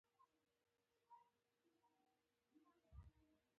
دوی د افغانستان د تاریخي قهرمانانو په توګه وو.